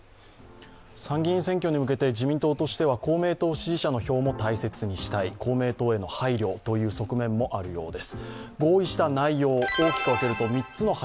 参議院選挙に向けて自民党としては公明党支持者の票も大切にしたい公明党への配慮の側面もあるようです